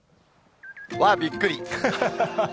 わー、びっくり。